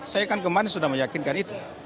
saya kan kemarin sudah meyakinkan itu